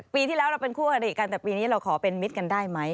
ปีที่แล้วเราเป็นคู่อริกันแต่ปีนี้เราขอเป็นมิตรกันได้ไหม